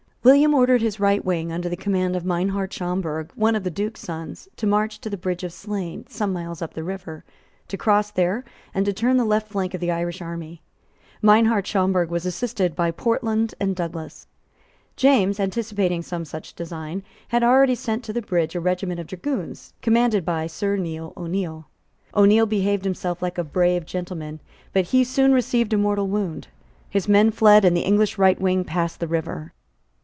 William ordered his right wing, under the command of Meinhart Schomberg, one of the Duke's sons, to march to the bridge of Slane, some miles up the river, to cross there, and to turn the left flank of the Irish army. Meinhart Schomberg was assisted by Portland and Douglas. James, anticipating some such design, had already sent to the bridge a regiment of dragoons, commanded by Sir Neil O'Neil. O'Neil behaved himself like a brave gentleman: but he soon received a mortal wound; his men fled; and the English right wing passed the river.